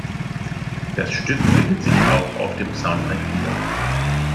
Das Stück findet sich auch auf dem Soundtrack wieder.